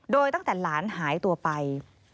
โดยตั้งแต่หลานหายตัวไป